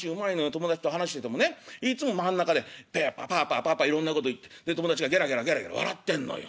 友達と話しててもねいつも真ん中でパーパーパーパーいろんなこと言って友達がゲラゲラゲラゲラ笑ってんのよ。